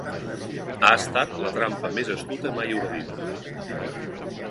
Ha estat la trampa més astuta mai ordida.